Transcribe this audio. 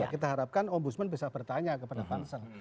kita harapkan om busman bisa bertanya kepada pansel